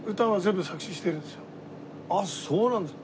あっそうなんですか。